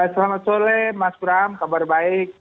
selamat sore mas bram kabar baik